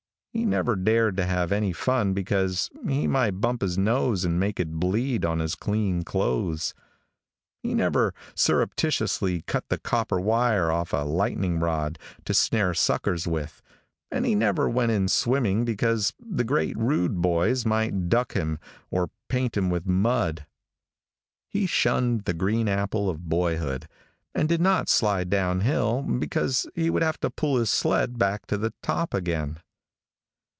He never dared to have any fun because he might bump his nose and make it bleed on his clean clothes. He never surreptitiously cut the copper wire off the lightning rod to snare suckers with, and he never went in swimming because the great, rude boys might duck him or paint him with mud. He shunned the green apple of boyhood, and did not slide down hill because he would have to pull his sled back to the top again.